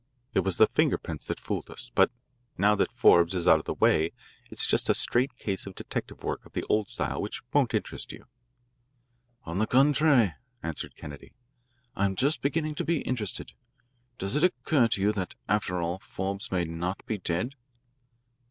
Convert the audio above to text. It was the finger prints that fooled us, but now that Forbes is out of the way it's just a straight case of detective work of the old style which won't interest you." "On the contrary," answered Kennedy, "I'm just beginning to be interested. Does it occur to you that, after all, Forbes may not be dead?"